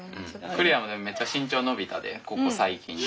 來愛もでもめっちゃ身長伸びたでここ最近で。